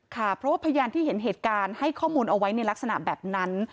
ค่ะเพราะว่าพยานที่เห็นเหตุการณ์ให้ข้อมูลเอาไว้ในลักษณะแบบนั้น